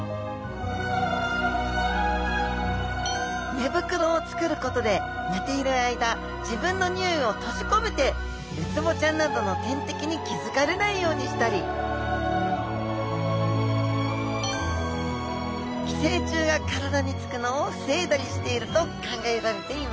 寝袋をつくることで寝ている間自分のにおいを閉じ込めてウツボちゃんなどの天敵に気付かれないようにしたり寄生虫が体につくのを防いだりしていると考えられています